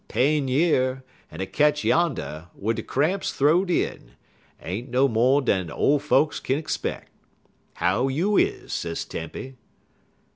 Pain yer, en a ketch yander, wid de cramps th'ow'd in, ain't no mo' dan ole folks kin 'speck. How you is, Sis Tempy?"